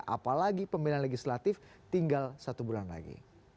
apalagi pemilihan legislatif tinggal satu bulan lagi